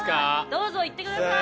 どうぞいってください。